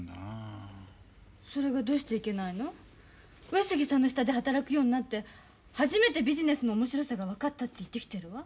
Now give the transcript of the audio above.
上杉さんの下で働くようになって初めてビジネスの面白さが分かったって言ってきてるわ。